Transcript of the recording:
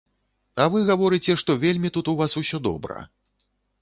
А вы гаворыце, што вельмі тут у вас усё добра.